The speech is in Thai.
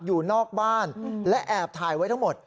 อยู่นอกบ้านและแอบถ่ายไว้ทั้งหมด